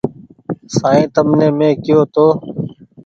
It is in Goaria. سائين تمني مينٚ ڪيو تو